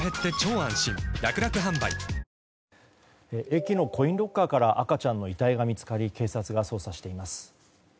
駅のコインロッカーから赤ちゃんの遺体が見つかり警察が捜査しています。